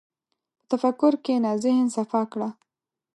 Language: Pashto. په تفکر کښېنه، ذهن صفا کړه.